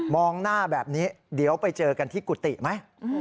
องหน้าแบบนี้เดี๋ยวไปเจอกันที่กุฏิไหม